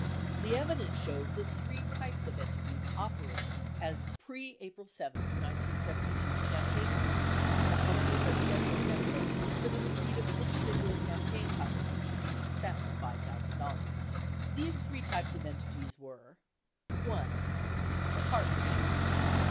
The evidence shows that three types of entities operated as pre April 7, 1972 campaign committees in the Humphrey Presidential campaign for the receipt of individual campaign contributions in excess of $5,000. These three types of entities were : (1) A Partnership